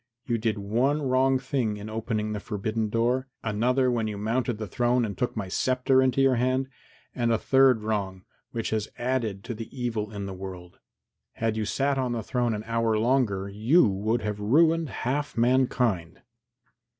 You did one wrong thing in opening the forbidden door, another when you mounted the throne and took my sceptre into your hand, and a third wrong, which has added to the evil in the world. Had you sat on the throne an hour longer, you would have ruined half mankind."